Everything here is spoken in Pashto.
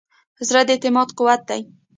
زړه د اعتماد قوت دی.